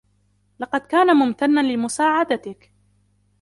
لقد كان ممتناً لمساعدتك.